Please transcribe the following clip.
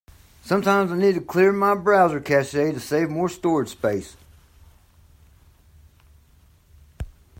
Sometines, I need to clear my browser cache to save more storage space.